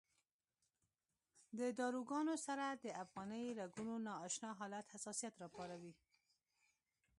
د داروګانو سره د افغاني رګونو نا اشنا حالت حساسیت راپارولی.